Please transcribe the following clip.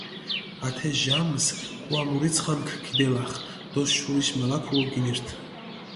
ათე ჟამსჷ ჸვამურიცხამქ ქიდელახჷ დო შურიმალაფუო გინირთჷ.